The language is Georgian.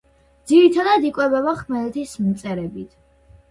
ძირითადად იკვებება ხმელეთის მწერებით.